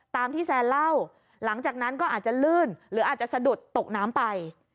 ตามที่แซนเล่าหลังจากนั้นก็อาจจะลื่นหรืออาจจะสะดุดตกน้ำไป